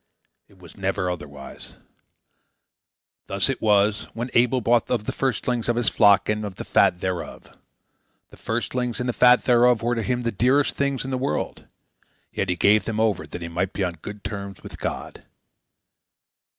It was never otherwise. Thus it was when Abel brought of the firstlings of his flock and of the fat thereof. The firstlings and the fat thereof were to him the dearest things in the world; yet he gave them over that he might be on good terms with God.